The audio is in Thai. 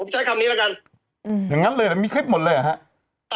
ผมใช้คำนี้ละกันอย่างงั้นเลยมีคลิปหมดเลยหรอครับ